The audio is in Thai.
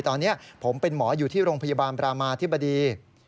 ตอนนี้ผมเป็นหมออยู่ที่โรงพยาบาลประมาธิบดี